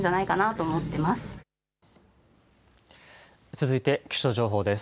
続いて気象情報です。